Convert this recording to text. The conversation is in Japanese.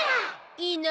いいな。